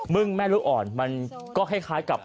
แม่ลูกอ่อนมันก็คล้ายกับ